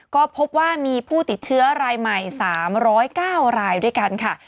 ก็พบว่ามีผู้ติดเชื้อรายใหม่๓๐๙รายด้วยกันค่ะ